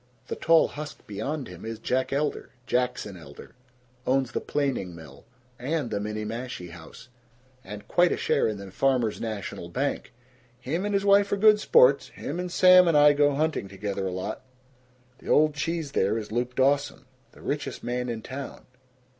The tall husk beyond him is Jack Elder Jackson Elder owns the planing mill, and the Minniemashie House, and quite a share in the Farmers' National Bank. Him and his wife are good sports him and Sam and I go hunting together a lot. The old cheese there is Luke Dawson, the richest man in town.